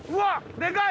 でかい！